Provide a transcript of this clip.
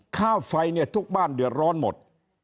ค่าไฟเนี่ยทุกบ้านเดือดร้อนหมด